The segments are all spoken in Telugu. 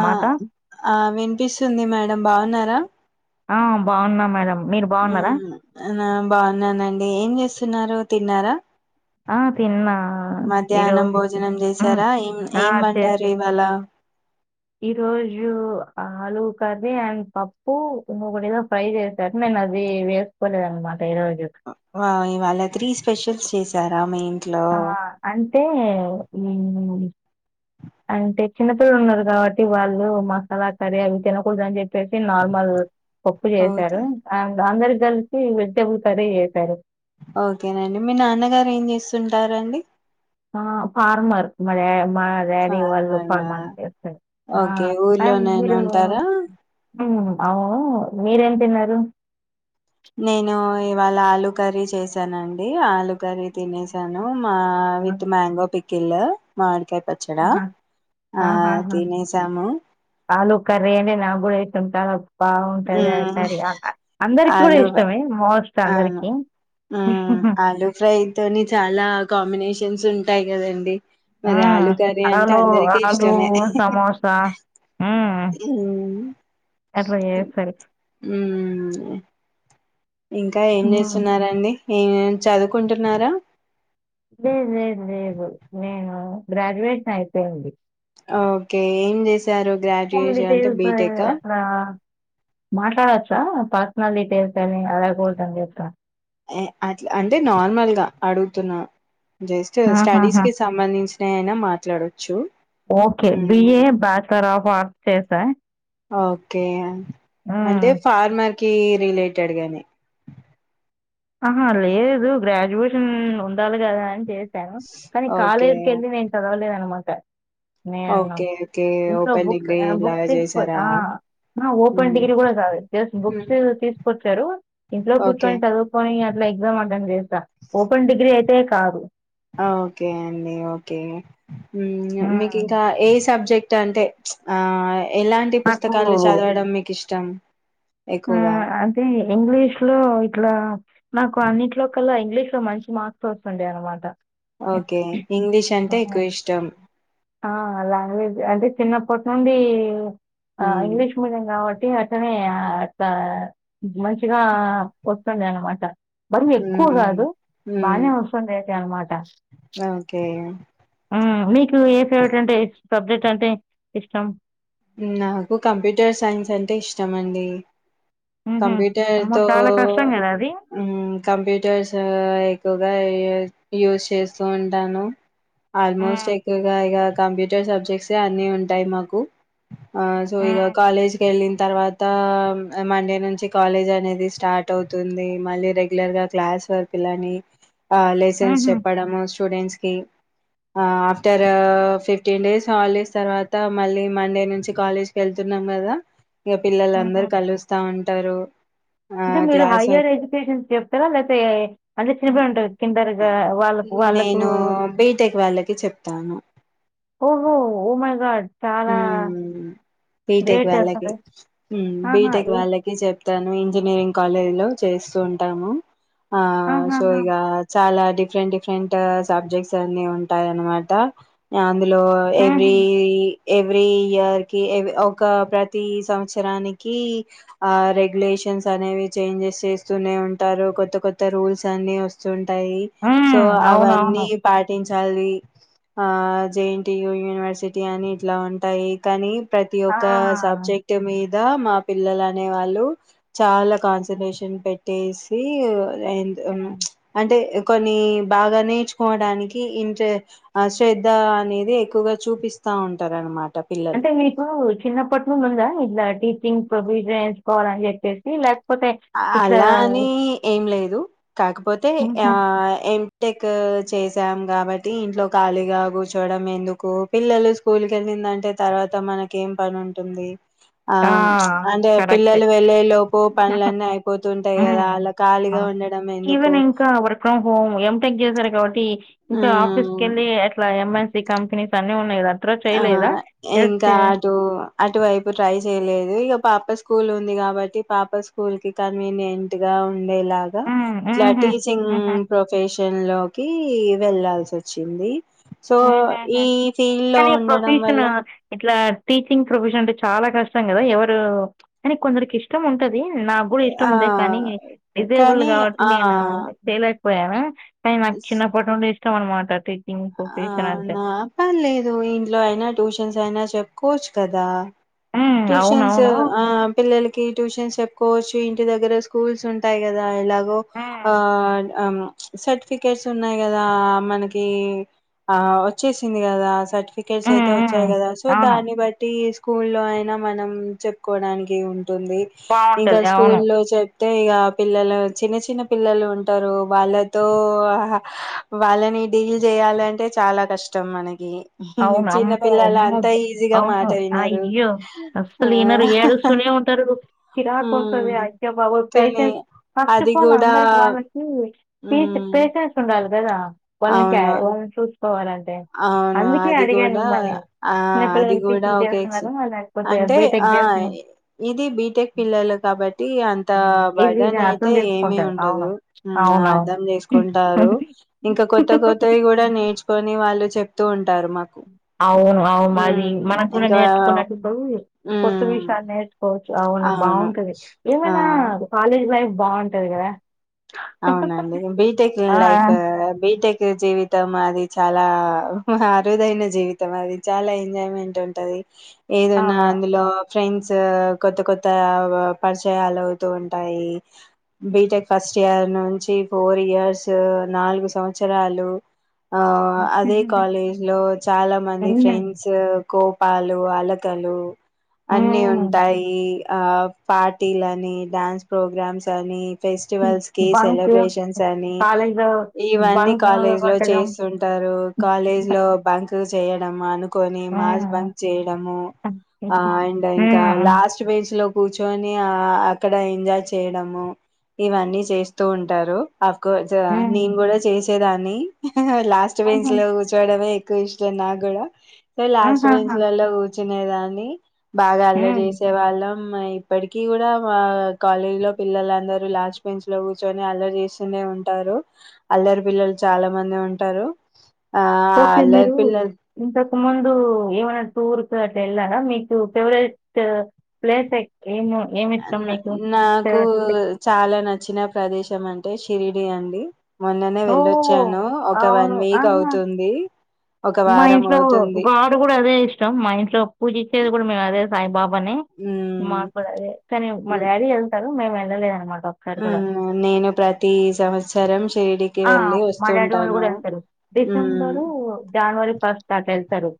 ఆ ఆ విన్పిస్తుంది మే బావున్నారా ఆ బావున్న మేడం మీరు బాగున్నారా ఆ నా బావున్నానండి ఏం చేస్ స్తున్నారు తిన్నార ఆ తిన్నా మధ్యాహ్నం ఈరోజు భోజనం ఉమ్. చేసార ఏం ఆ ఏం వండారు చేస్తా ఇవాళ ఈ రోజు ఆలు కర్రీ అండ్ పప్పు ఒకటేదో ఫ్రై చేశారు నేను అది వేసుకోలేదనమాట ఈరోజు హా ఇవాళ త్రీ స్పెషల్స్ చేసి చరామేన్ ఆ అంటే అంటే చిన్నపిలలు ఉన్నారు కాబట్టి వాళ్ళు మసాలా కర్రీ అవి తినకూడదు అని చెప్పి టి నార్మల్ పప్పు ఓకే చేసారు అందరు కలిసి వెజిటేబుల్స్ అది చేసారు ఓకేనండి మీ నాన్నగారు ఏం చేస్తుంటారాండి ఆ ఫార్మర్ మ మా డాడీ వాళ్ళు ఫార్మరా ఫార్మర్ చేస్తరు ఆ ఓకే ఊర్లోనేనా మీరు ఉంటారా అవు మీరేం తిన్నారు నేను ఇవాళ ఆలు కర్రీ చేశానం ది ఆలు కర్రీ తినేసాను మా విత్ మ్యాంగో పికిల్ మామిడికాయ్ హా హా హా తినేసాము ఆలు కర్రీ అనే నాగుడ తింటనం హుమ్ అందరికి కూడా ఆలు ఫ్రై ఇష్టమే మోస్ట్ అ అందరికి హుమ్ ఆలు ఫ్రై తోని చాలా కాంబినేషన్స్ ఉంటాయి కదండి ఆ మరి ఆలు కర్రీ అంటే అరలో అందరికి ఆలు ఇష్టమే సమోసా అట్లా చేస్తారు. హుమ్ ఇంకా ఏం హ్మ్ చేస్తున్నరండి ఏం చదువుకుంటున్నారా లేదు లేదు లేదు నేను గ్రాడ్యుయేట్ అయిపోయింది ఓకే ఏం చేశారు గ్రాడ్యుయేషన్ అంటే బీటెక్ ఆ మాట్లాడచ్చా పర్సనల్ తేతనే అలాగూ దం అతా అట్లా అంటే నార్మల్గా అడుగుతున్నా జస్ట్ స్టడీస్ ఆహాహా కి సంబంధించి నైనా మాట్లాడొచ్చు okay um, BA bachelor of arts చేసా ఓకే అంటే ఫార్మర్ కి రిలేటెడ్ గాని ఆహా లేదు గ్రాడ్యుయేషన్ ఉండాలి కదా అని ను కానీ ఓకే. కాలేజ్ క వెలీ నేను చదవలేదును మాట నే ఓకే. ఓకే. ఇంట్లో ఓపెన్ బుక్స్ డిగ్రీ బుక్స్ లాగా తీసు చేశారా? ఓపెన్ హ్మ్. డిగ్రీ కూడా కాదు జ బుక్స్ హ్మ్. తీసుకొచ్చారు ఇంట్లో ఓకే. కూర్చోని చదువు ఓ గ ఇక్కడ రాసిన దానికి పైన ఆడియో లా ఉన్నదానికి పోలిక లేదు లేదు. ఏమన్నా ఎగ్జామ్ అటెండ్ చేసాను ఓపెన్ డిగ్రీ తేే కాదు ఓకే అండి ఓకే మీకు మ్మ్. ఇంకా ఏ సబ్జెక్ట్ అంటే ఆ ఎలాంటి పుస్తకాలు నాకు చదవడం మీకు ఇష్టం ఇం ఆ అదే ఇంగ్లీష్ లో ఇట్లా నాకు అన్నింటిలో కలా ఇంగ్లీష్ ఇ మంచి మార్క్స్ వస్తుండే అనమాట ఓకే ఇంగ్లీష్ అంటే ఎక్కువ ఇష్టం ఆ లాంగజ అంటే చిన్నప్పటి నుండి ఆ హ్మ్. ఇంగ్లీష్ మీడియం కాబట్టి అట్నే ఆ అ మంచిగా వస్తుంది అనమాట మరి ఎక్కువ హ్మ్. కాదు హ్మ్. బానే వస్తుందియితే అనమాట ఓకే. మీకు ఫవట్ అంటే సబ్జెక్ట్ అంటే ఇష్టం నాకు కంప్యూటర్ సైన్స్ అంటే ఇష్టమ అండి హుహు. కంప్యూటర్ అమ్మో! త చాలా కష్టం కదా అది. కంప్యూటర్స్ ఎక్కువగా యూస్ చేస్తూ ఉంటాను ఆల్మోస్ట్ హ్మ్. ఎక్కువగాయగా కంప్యూటర్ సబ్జెక్ట్స్ అన్ని ఉంటాయి మాకు ఆ సో ఇగ హ్మ్. కాలేజ్ క వెళ్ళంత తర్వాత మండే నుంచి కాలేజ్ అనేది స్టార్ట్ అవుతుంది మళ్ళీ రెగ్యులర్ గా క్లాస్ వర్కులని ఆ లైసెన్స్ హుహు. చెప్పడము స్టూడెంట్స్ కి ఆఫ్టర్ ఫిఫ్టీన్ డేస్ హాలిడేస్ తర్వాత మళ్ళీ మండే. నుంచి కాలేజ్ కెళ్తున్నాం కదా ఇంక పిల్లలు అందరుూ కలుస్తా ఉంటారు ఆ ఇంకా మీరు క్లాస్ హైయర్ ఎడ్యుకేషన్ చెప్తారా లేకపోతే అంటే చిన్నబడి ఉంటారు కిందర్గా వాళ్ళ వాళ్ళకు నేను బీటెక్ వాళ్ళకి చెప్తాను ఓహో oh my god BTech great వాళ్ళకి అసలు. ఆహా! బిటెక్ ఏ వాళ్ళకి చెప్ తను ఇంజనీరింగ్ కాలేజ్ లో చేస్తూ ఉంటాము ఆ సో ఆహాహా! ఇగ చాలా డిఫరెంట్ డిఫరెంట్ సబ్జెక్ట్స్ అన్ని ఉంటాయి అనమాట ఆ అందులో హుహు. ఎవ్రీ ఎవ్రీ ఇయర్ కి ఒక ప్రతి సంవత్సరానికి ఆ రెగ్యులేషన్స్ అనేవి చేంజెస్ చేస్తూనే ఉంటారు కొత్త కొత్త రూల్స్ అన్ని వస్తు టాయి హ్మ్. సో అవునవును. అవన్నీ పాటించ చల్వి ఆ J N T U university అని ఇట్లా ఉంటాయి కానీ ప్రతి ఆ! ఒక్క సబ్జెక్ట్ మీద్ మా పిల్లలు అనే వాళ్ళు చాలా కాన్సన్ట్రేషన్ పెట్టేసి ఉమ్ హ్మ్. అంటే కొన్ని బాగా నేర్చుకోవడానికి ఇంటే ఆ శ్ర ద్ద అనేది ఎక్కువగా చూపిస్త్ తావుండ్ తరణ్ మాట్ అంటే మీకు చిన్నప్పటి నుండి ఉందా ఇట్లా కింగ్ ప్రొవిజన్ వేయించుకోవాలని చెప్పేసి లైక్ అలా అని ఏం లేదు కాకపోతే హుహు. ఆ ఏం టెక్ చేసాం కాబట్టి ఇంట్లో ఖాళీగా కూర్చోడం ఎందుకు పిల్లలు స్కూల్ కెళ్ళిందంటే తర్వాత మనకేమ్ పని ఉంటుంది ఆ అంటే పిల్లలు వెళ్ళే లోపు పనులన్ ఉమ్ ఎందుకు ఈవెన్ ఇంకా వర్క్ ఫ్రమ్ హోమ్ ఏం టెక్ చేస ఓటి ఇంకా ఆఫీస్ ఉమ్ కెళ్ళి అట్లా ఎమై కంపెనీస్ అన్ని ఉన్నాయి గదా ఆ ఇంకా అటు అటువైపు ట్రై చేయలేదు ఇక పాప స్కూల్ ఉంది కాబట్టి పాప స్కూల్ కి కన్వీనియంట్ గా ఉండేలాగా హ్మ్, ఇట్లా హుహు, టీచింగ్ హుహు, ప్రొఫెష్ లోకి వెళ్ల్ళాల్సి వచ్చింది సో ఈ టీ నీ ప్రొఫషన్ ఇట్లా టీచింగ్ ప్రొఫెషన్ అంటే చాలా కష్టం కదా ఎవరు అని కొందరికి ఇష్టం ఉంటది నాకు కూడా ఇష్టం ఆ ఉండే కానీ రిజబుల్ కానీ కాబట్టి ఆ నేను పోనా కా నాకు చిన్నప్పటి ఉండి ఇ మ మాట అవునా పనిలేదు ఇంట్లో అయినా ట్యూషన్స్ అయినా చెప్ కోచ్ కదా హ్మ్, ట్యూషన్స్ అవునవును ఆ పిల్లలకి ట్యూషన్స్ చె కోచ్ ఇంటి దగ్గర స్కూల్స్ ఉంటాయి కదా ఇలాగ ఆ హ్మ్, సర్టిఫికెట్స్ ఉన్నాయి కదా మనకి ఆ వచ్చేసింది కదా స క్రికెట్స్ అయితే హ్మ్, వచ్చాయి హ్మ్. కదా సో అవును దాన్ని బట్టి స్కూ లో అయినా మనం చెప్పుకోవడానికి ఉ ంటుంది ఇంకా బాగుంటది అవును స్కూల్ లో చె అతే ఇక పిల్లలు చిన్న చిన్న పిల్లలు ఉంటారు వాళ్ళతో వాళ్ళని డీల్ చేయాలంటే అంటే చాలా కష్టం మనకి అవును చిన్న అమ్మో పిల్లలు అమ్మ అంతా ఈజీగా అవును మాట వినరు అయ్యో ఆ అసలు ఈనరు ఏడు సూనే ఉంటారు. చిరాకు వసది ఉమ్ అయ్య బాబు కానీ పేషెన్స్ ఫస్ట్ అది ఆఫ్ ఆల్ కూడా అందరికి వాళ్ళకి ప ఉమ్ పేషెన్స్ ఉండాలి. అదద ప క అవును చ పోవాలంటే అవును అది కూడా ఆ అది కూడా టీచింగ్ ఒకక్ చేస్తున్నారు లేకపోతే అంటే బీటెక్ ఆ చేస్తున్నారు ఇది బిటెక్ పిల్లలు కాబట్టి అంత బడన్ ఈజీగా అర్థం అయితే ఏమి చేసుకుంటారు ఉంటదు అవును అర్థం చేసుకుంటారు. ఇంకా కొత్త అవునవును కొత్తవి కూడా నేర్చుకో వా అవును అవును అది ఉమ్ మనం కూడా ఇంకా నేర్చుకున్నప్పుడు. కొత్త ఉమ్ విషయాలు నేర్చుకోవచ్చు అవును బాగుంటది. ఏమైనా ఆ కాలేజ్ లైఫ్ బాగుంటది కదా అవునండి బీటెక్ లైఫ్ బీటెక్ జీవితం అది చాలా అరుదైన జీవితం అది చాలా ఎంజాయ్మెంట్ ఉంటది ఆ! ఏదన్నా అవును. అందులో ఫ్రెండ్స్ కొత్త కొత్త పరిచయాలు అవుతూ ఉంటాయి బీటెక్ ఫస్ట్ ర్ నుంచి ఫోర్ ఇయర్స్ నాలుగు సంవత్సరాలు ఆ అదే కాలేజ్ లో చాలా మంది ఫ్రెండ్స్ కోపాలు అలకలు అన్ని హ్మ్. ఉంటాయి ఆ పార్టీలని డ్యాన్స్ ప్రోగ్రామ్స్ అని హ్మ్. ఫెస్టివల్స్ కీ బంక్ సెలబ్రేషన్స్ అని కాలేజ్‌లో ఇవన్నీ బంక్ కాలేజ్ లో కొట్టడం. చేస్తుంటారు కాలేజ్ లో బంక్ చేయడమాను కొని మాస్ హ్మ్. బంక్ చేయడము అండ్ ఇంకా హ్మ్. లాస్ట్ బెంచ్ లో కూర్చొని అక్కడ ఎంజాయ్ చేయడము ఇవన్నీ చేస్ స్తూ ఉంటారు అఫ్కోర్స్ హ్మ్. నేను కూడా చేసి చ్చెదాన్ని లాస్ట్ బెంచ్ ఆహా! లో కూర్చోవడమే ఇష్టం నాగూడా లాస్ట్ బెంచ్ ఆహాహా! లల్లా కు చినెదాన్ని బాగా హ్మ్. అల్లరిచేసే వాళ్ళం ఇప్పటికీ కూడా కాలేజ్ లో పిల్లలందరూ లాస్ట్ బెంచ్ లో కూర్చొని అల్లరి చేస్తూనే ఉంటారు అల్లరి పిల్లలు చాలా మంది ఉంటారు ఆ అల్లరి పిల్లలు కు ముందు ఏమన్నా టూర్కటేళ్ళారా మీకు ఫేవరెట్ ప్లేస్ ఏమో నాకు చాలా నచ్ చ్చిన ప్రదేశం అంటే షిరిడి అండి మొన్ననే ఓహ్! వెళ్ళొచ్చాను ఒక వన్ అవును. వీక్ ఆహా! అవుతుంది ఒక మా వారం ఇంట్లో అవుతుంది గాడు కూడా అదే ఇష్టం మా ఇంట్లో పూజించేది కూడా మేము అదే సాయిబాబా ని ఉమ్ మాక్కుడా అదే కానీ మా డాడీ వెళ్తారు మేమ్ ఎల్ లలే అనమాట నేను ప్రతి సంవత్సరం శిరిడి ఆ మా డాడి వాళ్ళు కూడా వెళ్తరు ఉమ్ డిసెంబరు జనవరి ఫస్ట్ దాకా ఎళ్తారు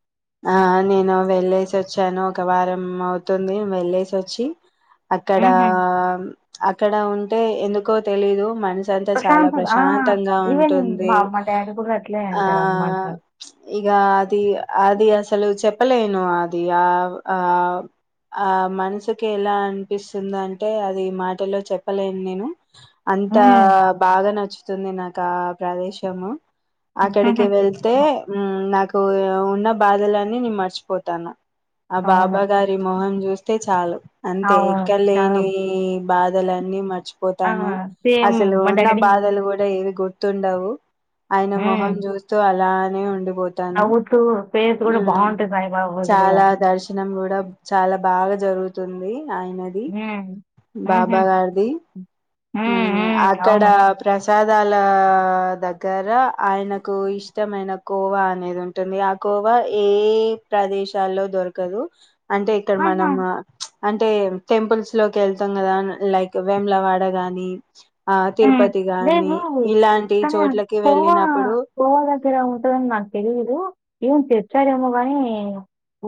ఆ నేను వెళ్ళేసి వచ్చాను ఒక వారం అవుతుంది వెళ్ళేసి వచ్చి అక్కడా హుహు. అక్కడ ఉంటే ఎందుకో తెలీదు మనిష్ తంతా చాలా ప్రశాంతంగా ఆ! ప్రశాంతంగా ఈవెన్ ఉంటుంది మా మా డ్యాడీ కూడా అట్లే ఆ అంటారనమాట. ఇగ అది అది అసలు చెప్పలేను అది ఆ ఆ ఆ మనసుకి ఎలా అనిపిస్తుంది అంటే అది మాటలో చెప్పలేను నేను అంత హ్మ్. బాగా నచ్చుతుంది నాకు ఒకా ప్రదేశము అక్కడికి వెళ్తే నాకు వును బాధలన్ని నేను మర్చిపోతాను ఆ బాబా అవును. గారి మొహం చూస్తే చాలు అంతే అవును. ఎక్కడ చాలా లేని బాధలన్నీ మర్చి ఆ! పోతాను సేమ్ అసలు మా ఉన్న డాడీ బాధలు కూడా ఏవి గుర్తు తుండవు ఆయన మొహం చూస్తూ అలా అవునండి అవుతూ పే చాలా దర్శనం కూడా చాలా బాగా జరుగుతు అవుతుంది ఆయనది హ్మ్. హుహు. బాబా గారిది హ్మ్. హ్మ్. అక్కడ అవును. ప్రసాద్ విదాల దగ్గర ఆయనకు ఇష్టమైన కోవా అనేది ఉంటుంది ఆ కోవా ఏ ప్రదేశాల్లో దొరకదు అంటే ఇక్కడ ఆహా! మనము అంటే టెంపుల్స్ లోకి ఎళ్తాం కదా లైక్ వేములవాడ గానీ అ ఆ నేను ఇలాంటి కానీ చోట్లకి కోవా వెళ్ళినప్పుడు గోవా దగ్గర ఉంటదని నాకు తెలీదు ఏం తెచ్చారేమో కానీ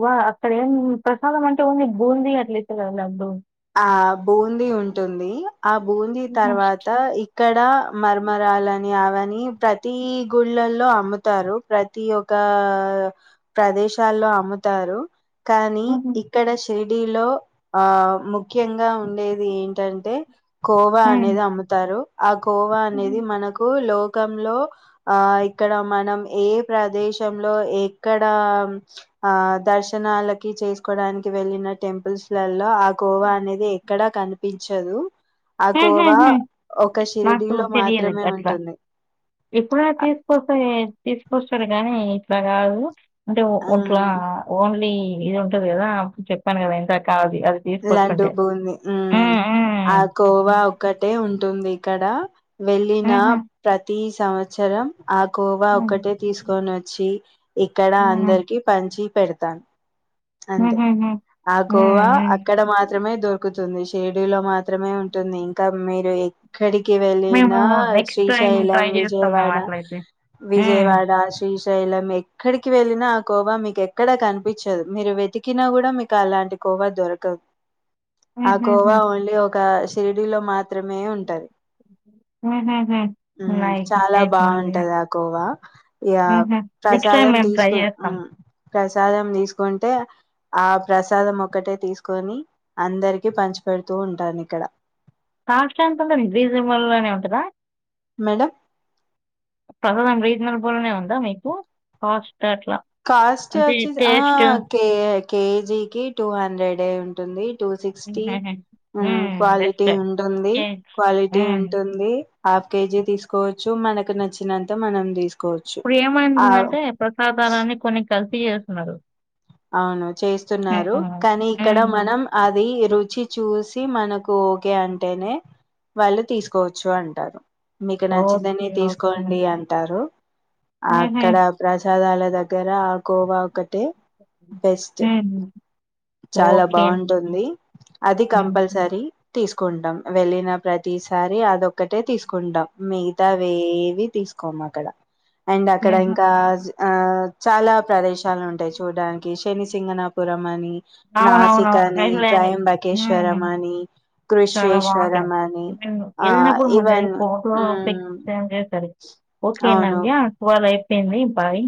వా అక్కడ ఏం ప్రసాదం అంటే ఉంది బూందీ అట్లతేల బూ ఆ బూందీ ఉంటుంది ఆ బూందీ హుహు. తర్వాత ఇక్కడ మరమరాలని అవని ప్రతి గుళ్ళల్లో అమ్ముతారు ప్రతి ఒకా ప్రదేశాల్లో అమ్ముతారు కానీ హుహు. ఇక్కడ షేట్ కిలో ఆ ము ముఖ్యంగా ఉంది ఉండేది ఏంటంటే కోవా హ్మ్. అనేది అమ్ముతారు అగ్ కోవా హుహు. అనేది మనకు లో కంలో ఆ ఇక్కడ మనం ఏ ప్రదేశంలో ఎక్కడ ఆ దర్శనాలకి చేసుకోవడానికి వెళ్ళిన టెంపుల్స్ లల్లో గోవా ఎక్కడా కనిపిచ్చదు ఆ కోవా హుహుహు. ఒక షిరిడిలో మాత్రమే ఉంటుంది ఎప్పుడ తీసుకొస్తా తీసుకొస్తాడు గాని ఇట్లా కాదు అంటే ఒట్లా ఉమ్ ఓన్లీ ఇది ఉంటది కదా అప్పు చెప్పను కదా ఇంత కా లడ్డు బూందీ హ్మ్ ఆ హ్మ్. కోవా ఒక్కటే ఉంటుంది అక్కడ వెళ్ళిన హుహు. ప్రతి సంవత్సరం ఆ కోవా హ్మ్. ఒక్కటే తీసుకొని వచ్చి ఇక్కడ హ్మ్. అందరికి పంచి పెడతాన్ అంతే హుహుహు. ఆ హ్మ్. కోవా హ్మ్. మాత్రమే దొరుకుతుంది షిరిడి లో మాత్ర మాత్రమే ఉంటుంది ఇంకా మీరు క్కడికి వెళ్ళిన మేము నెక్స్ట్ టైమ్ శ్రీశైలం ట్రై చేస్తాం మేము విజయవాడ అట్లయితే. హ్మ్. విజయవాడ శ్రీ లం ఎక్కడికి వెళ్ళినా ఆ కోవా మీకు ఎక్కడ కనిపించదు మీరు వెతికినా కూడా మీకు అలాంటి కోవా దొరక తో ఆ కోవా హుహుహు. ఓన్లీ ఒక షిరిడిలో మా మాత్రమే ఉంటది హుహుహు. హ్మ్ నైస్. చాలా నైస్ మావయ్య. బాంటది ఆ కోవా ఇగ హుహు. నెక్స్ట్ టైమ్ ప్రసాదం మేము ట్రై తీసుకు చేస్తాం. ప్రసాదం తీసుకుంటే ఆ ప్రసాదం ఒకటే తీసుకు కొని అందరికి పంచి పెడుతూ ఉంటాను ఇక్కడ కాస్ట్ ఎంత ఉందడి రీజనబులోనే ఉంటదా మేడం రీజనల్ నే ఉందా మీకు అట్లా కాస్ట్ అంటే వచ్చి టేస్ట్ కె ఐ కేజీకిి టూ హండ్రెడ్ ఉంటుంది టూ సిక్స్టీ హుహుహు. హ్మ్. క్వాలిటీ బెస్టే. ఉంటుంది కేక్స్. క్వాలిటీ హ్మ్. ఉంటుంది హాఫ్ కేజీ తీసుకోవచ్చు మనకు నచ్చినంత మనం తీసుకో ఇప్పుడు ఏమైఉంటుందంటే ప్రసాదారాన్ని కొన్ని కలిసి చేస్తున్నారు అవును చేస్తున్నారు హ్మ్. కానీ ఇక్కడ హ్మ్. మనం అది రుచి చూసి మనకు ఓకే అంటేనే వాళ్ళు తీసుకోవచ్చు అంటారు మీకు నచ్చిందని ఓకే. ఓకే. తీసుకోండి అంటారు హుహు. అక్కడ ప్రజ రథాల దగ్గర ఆ కోవా ఒకటి బెస్ట్ హ్మ్. చాలా ఓకే. బావుంటుంది అది హ్మ్. కంపల్సరీ తీసుకుంటాం వెళ్ళిన ప్రతిసారి అదొ ఒక్కటే తీసుకుంటాం మిగతావేవి తీసుకో కోమకళ అండ్ అక్కడ హుహు. ఇంకా ఆ చాలా ప్రదేశాలు ఉంటాయి చూడడానికి పెనిచింగనాపురం అని నాసిక్ అవునవునవును అని రెగ్యులర్ ఊ ట్రయంబకేశ్వరం అని చాలా బాగుంటాయి కృషేశ్వరం అని ఆ వెళ్ళినప్పుడు మా daddy even photo pics save చేశారు అవును ఓకేనాండి ఒకవేళ తంది బాయ్